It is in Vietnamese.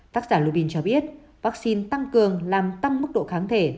tác giả lobin cho biết vaccine tăng cường làm tăng mức độ kháng thể